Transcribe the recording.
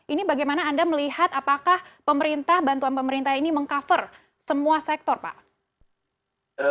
ini bagaimana anda melihat apakah pemerintah bantuan pemerintah ini meng cover semua sektor pak